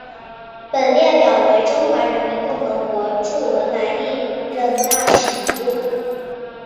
本列表为中华人民共和国驻文莱历任大使名录。